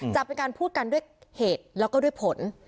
จะเป็นการพูดกันด้วยเหตุแล้วก็ด้วยผล